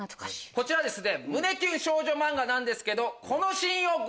こちらですね。